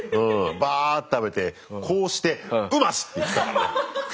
バーッと食べてこうして「うまし！」って言ってたからね。